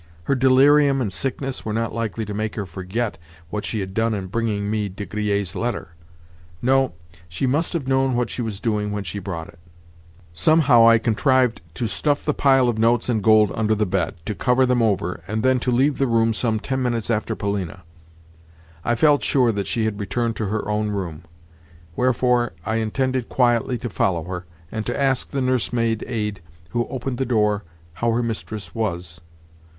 Her delirium and sickness were not likely to make her forget what she had done in bringing me De Griers' letter. No, she must have known what she was doing when she brought it. Somehow I contrived to stuff the pile of notes and gold under the bed, to cover them over, and then to leave the room some ten minutes after Polina. I felt sure that she had returned to her own room; wherefore, I intended quietly to follow her, and to ask the nursemaid aid who opened the door how her mistress was.